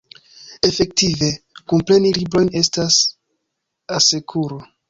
Efektive, kunpreni librojn estas asekuro.